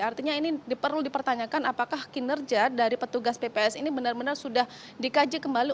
artinya ini perlu dipertanyakan apakah kinerja dari petugas pps ini benar benar sudah dikaji kembali